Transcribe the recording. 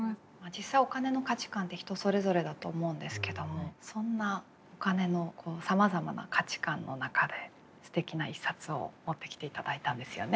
実際お金の価値観って人それぞれだと思うんですけどもそんなお金のさまざまな価値観の中ですてきな一冊を持ってきていただいたんですよね。